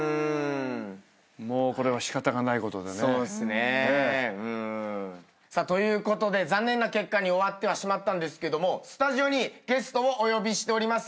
もうこれはしかたがないことでね。ということで残念な結果に終わってはしまったんですけどもスタジオにゲストをお呼びしております。